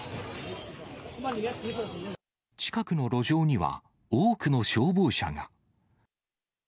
近くの路上には、多くの消防車が。